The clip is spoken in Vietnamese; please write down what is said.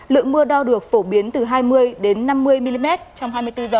lượng mưa đau được phổ biến từ hai mươi đến năm mươi mm trong hai mươi bốn giờ